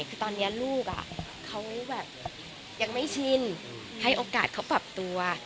คือตอนนี้ลูกเขาแบบยังไม่ชินให้โอกาสเขาปรับตัว